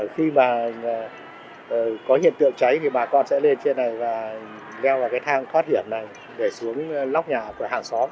khi mà có hiện tượng cháy thì bà con sẽ lên trên này và gieo vào cái thang thoát hiểm này để xuống lóc nhà của hàng xóm